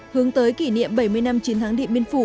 hướng tới kỷ niệm bảy mươi năm chiến thắng điện biên phủ